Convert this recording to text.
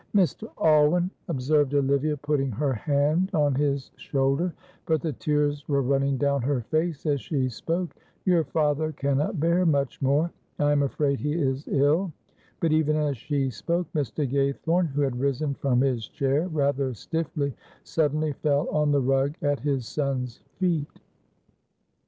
"Mr. Alwyn," observed Olivia, putting her hand on his shoulder, but the tears were running down her face as she spoke, "your father cannot bear much more. I am afraid he is ill." But even as she spoke, Mr. Gaythorne, who had risen from his chair rather stiffly, suddenly fell on the rug at his son's feet.